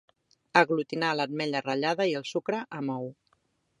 Aglutinar l'ametlla ratllada i el sucre amb ou.